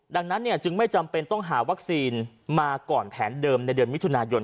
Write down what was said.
ดังนั้นจึงไม่จำเป็นต้องหาวัคซีนมาก่อนแผนเดิมในเดือนมิถุนายน